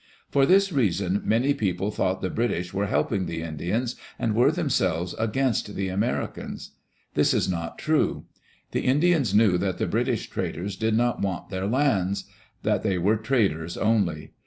For this reason many people thought the British were helping the Indians and were themselves against the Americans. This is not true. The Indians knew that the British traders did not want their lands — that they were traders only.